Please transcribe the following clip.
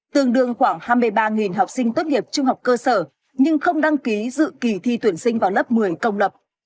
tương đương khoảng hai mươi ba học sinh tốt nghiệp trung học cơ sở nhưng không đăng ký dự kỳ thi tuyển sinh vào lớp một mươi công lập